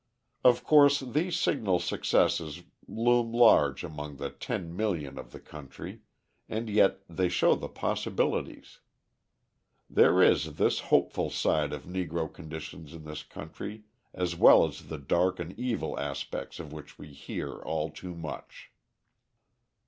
Of course these signal successes loom large among the ten million of the country and yet they show the possibilities: there is this hopeful side of Negro conditions in this country as well as the dark and evil aspects of which we hear all too much.